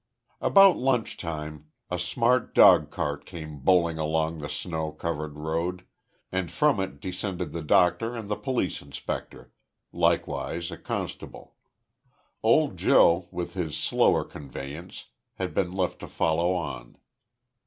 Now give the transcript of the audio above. About lunch time a smart dogcart came bowling along the snow covered road, and from it descended the doctor and the police inspector, likewise a constable: old Joe, with his slower conveyance, had been left to follow on.